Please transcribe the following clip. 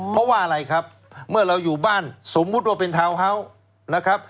เพราะว่าอะไรครับเมื่อเราอยู่บ้านสมมุติว่าเป็นทาวน์เฮาส์นะครับ